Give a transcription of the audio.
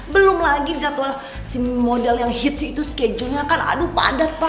belum lagi jadwal si model yang hits itu schedule nya kan aduh padat pak